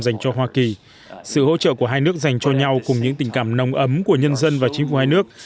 dành cho hoa kỳ sự hỗ trợ của hai nước dành cho nhau cùng những tình cảm nồng ấm của nhân dân và chính phủ hai nước